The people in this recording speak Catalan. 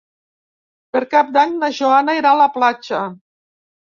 Per Cap d'Any na Joana irà a la platja.